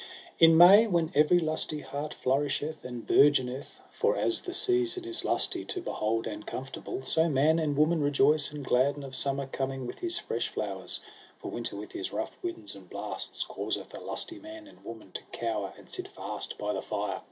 In May when every lusty heart flourisheth and bourgeoneth, for as the season is lusty to behold and comfortable, so man and woman rejoice and gladden of summer coming with his fresh flowers: for winter with his rough winds and blasts causeth a lusty man and woman to cower and sit fast by the fire.